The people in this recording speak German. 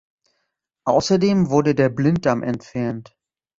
Außerdem wurde der Blinddarm entfernt.